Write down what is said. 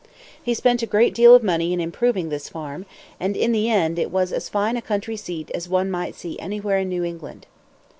He spent a great deal of money in improving this farm; and in the end it was as fine a country seat as one might see anywhere in New England.